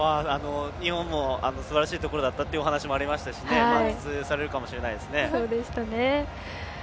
日本もすばらしいところだったというお話もあったし満喫されるかもしれないですね。